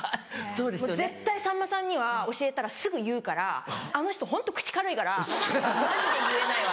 「もう絶対さんまさんには教えたらすぐ言うからあの人ホント口軽いからマジで言えないわ」